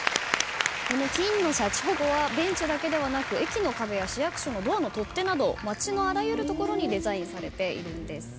この金のシャチホコはベンチだけではなく駅の壁や市役所のドアの取っ手など街のあらゆる所にデザインされているんです。